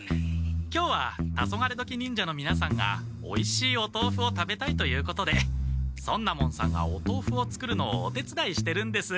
今日はタソガレドキ忍者のみなさんがおいしいお豆腐を食べたいということで尊奈門さんがお豆腐を作るのをお手つだいしてるんです。